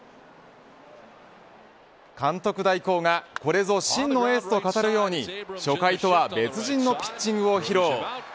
監督代行がこれぞ真のエースと語るように初回とは別人のピッチングを披露。